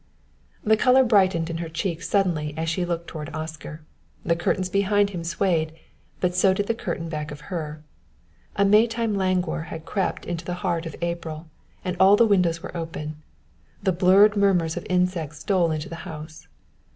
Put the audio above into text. The color brightened in her cheeks suddenly as she looked toward Oscar. The curtains behind him swayed, but so did the curtain back of her. A May time languor had crept into the heart of April, and all the windows were open. The blurred murmurs of insects stole into the house.